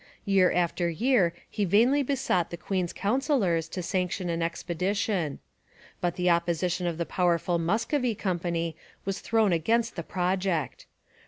Year after year he vainly besought the queen's councillors to sanction an expedition. But the opposition of the powerful Muscovy Company was thrown against the project.